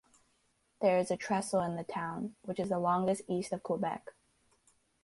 There is a trestle in the town which is the longest east of Quebec.